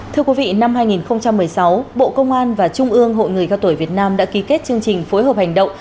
thưa quý vị năm hai nghìn một mươi sáu bộ công an và trung ương hội người cao tuổi việt nam đã ký kết chương trình phối hợp hành động